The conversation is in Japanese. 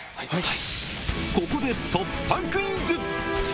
ここで突破クイズ！